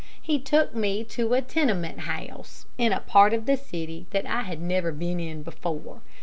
He took me to a tenement house, in a part of the city that I had never been in before.